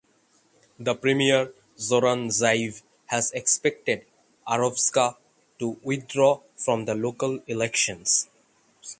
The premier Zoran Zaev has expected Arovska to withdraw from the local elections.